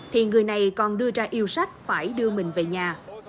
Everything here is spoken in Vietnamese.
thì người này còn đưa ra yêu sách phải đưa mình về nhà